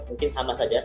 mungkin sama saja